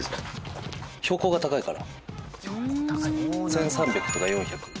１３００とか１４００。